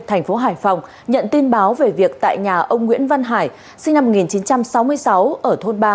thành phố hải phòng nhận tin báo về việc tại nhà ông nguyễn văn hải sinh năm một nghìn chín trăm sáu mươi sáu ở thôn ba